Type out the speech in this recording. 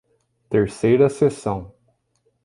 Terceira seção